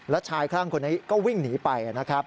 แล้วชายคลั่งคนนี้ก็วิ่งหนีไป